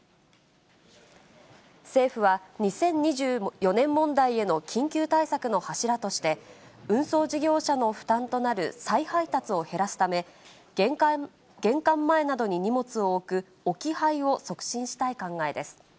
政府は、２０２４年問題への緊急対策の柱として、運送事業者の負担となる再配達を減らすため、玄関前などに荷物を置く置き配を促進したい考えです。